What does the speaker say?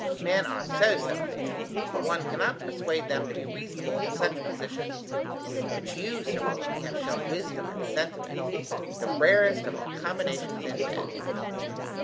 Men are so selfish: one cannot persuade them to be reasonable in such positions. But you, Sir Willoughby, have shown wisdom and sentiment: the rarest of all combinations in men."